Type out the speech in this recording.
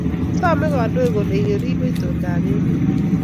Same kandoik kolee orib indonab emet